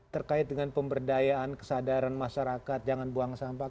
terkait dengan pemberdayaan kesadaran masyarakat jangan buang sampah